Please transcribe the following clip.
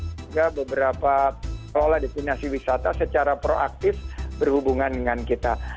juga beberapa kelola destinasi wisata secara proaktif berhubungan dengan kita